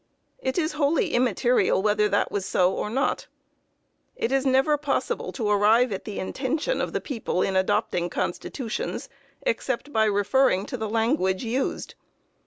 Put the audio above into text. It is wholly immaterial whether that was so or not. It is never possible to arrive at the intention of the people in adopting constitutions, except by referring to the language used.